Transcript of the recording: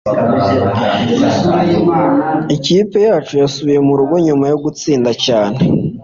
Ikipe yacu yasubiye murugo nyuma yo gutsinda cyane.